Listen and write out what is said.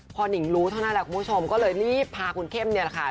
พอหนิงรู้เท่านั้นแหละคุณผู้ชมก็เลยรีบพาคุณเข้มเนี่ยแหละค่ะ